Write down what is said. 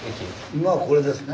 今これですね。